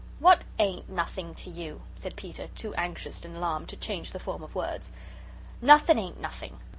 "What AIN'T nothing to you?" said Peter, too anxious and alarmed to change the form of words. "Nothing ain't nothing.